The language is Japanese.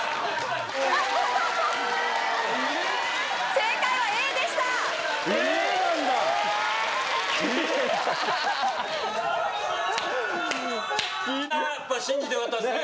正解はＡでしたＡなんだ桐谷さんやっぱ信じてよかったですね